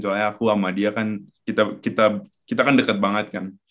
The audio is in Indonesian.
soalnya aku sama dia kan kita kan deket banget kan